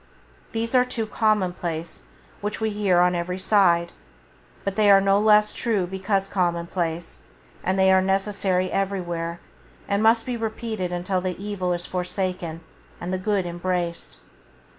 These are two commonplaces which we hear on every side, but they are no less true because commonplace, and they are necessary everywhere and must be repeated until the evil is forsaken and the good embraced.